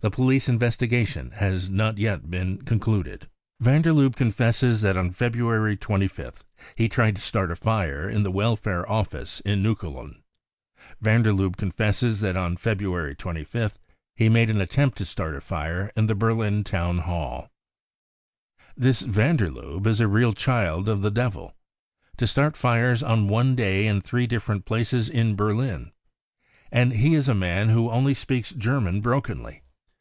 The police investi gation has not yet been concluded. 55 Van der Lubbe confesses that on February 25th he tried to start a fire in the Welfare Office in Neukolln. Van der THE REAL INCENDIARIES 1 13 Lubbe confesses that < 3 n February 25th he made an attempt to start a fire in the Berlin Town Hall, This van der Lubbe is a real child of the devil. To start fires on one day in three different places in Berlin ! And he is a man who only speaks German brokenly.